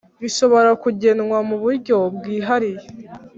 bishobora kugenwa mu buryo bwihariye